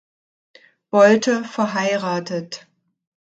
Bolte verheiratet.